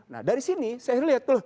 nah dari sini saya lihat tuh